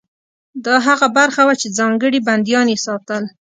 دا هغه برخه وه چې ځانګړي بندیان یې ساتل.